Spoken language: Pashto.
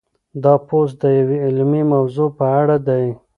دا پوسټ د یوې علمي موضوع په اړه دی.